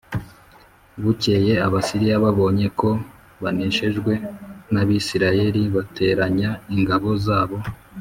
Bukeye Abasiriya babonye ko baneshejwe n’Abisirayeli, bateranya ingabo zabo.